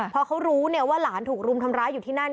พอเขารู้ว่าหลานถูกรุมทำร้ายอยู่ที่นั่น